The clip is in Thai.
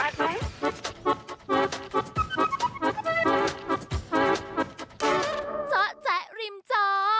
จ๊ะจ๊ะริมจ๋อ